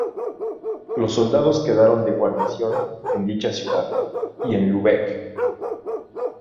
Los soldados quedaron de guarnición en dicha ciudad, y en Lübeck.